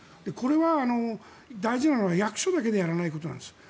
これは大事なのは役所だけでやらないことなんです